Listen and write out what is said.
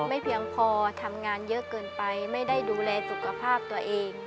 ไม่เพียงพอทำงานเยอะเกินไปไม่ได้ดูแลสุขภาพตัวเอง